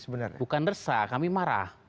bukan resah kami marah